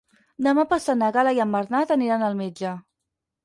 Demà passat na Gal·la i en Bernat aniran al metge.